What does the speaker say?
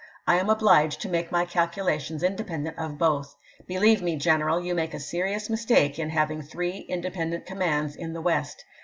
I am obliged to make my calcula tions independent of both. Believe me, general, you make a serious mistake in having three independent commands in the West.